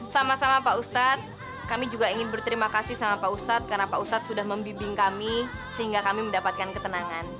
sama sama pak ustadz kami juga ingin berterima kasih sama pak ustadz karena pak ustadz sudah membimbing kami sehingga kami mendapatkan ketenangan